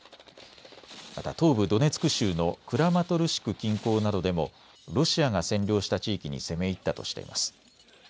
また東部ドネツク州のクラマトルシク近郊などでもロシアが占領した地域に攻め入ったとしています。